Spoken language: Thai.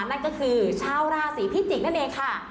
นั่นก็คือชาวราศีพิจิกนั่นเองค่ะ